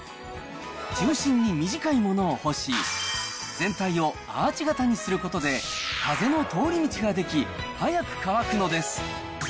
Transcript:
中心に短いものを干し、全体をアーチ型にすることで、風の通り道ができ、速く乾くのです。